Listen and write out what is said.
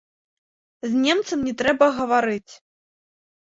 З немцам не трэба гаварыць.